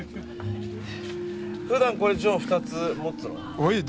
ふだんこれジョン２つ持つの？